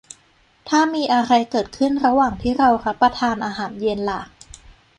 ถ้ามีอะไรเกิดขึ้นระหว่าที่เรารับประทานอาหารเย็นล่ะ